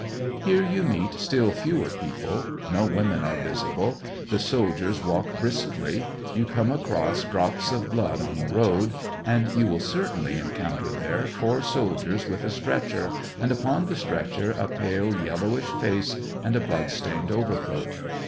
Here you meet still fewer people, no women are visible, the soldiers walk briskly, you come across drops of blood on the road, and you will certainly encounter there four soldiers with a stretcher and upon the stretcher a pale yellowish face and a blood stained overcoat.